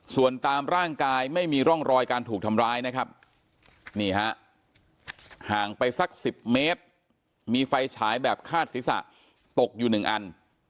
ส่วนตามร่างกายไม่มีร่องรอยการถูกทำร้ายนะครับนี่ฮะห่างไปสัก๑๐เมตรมีไฟฉายแบบคาดศีรษะตกอยู่หนึ่งอัน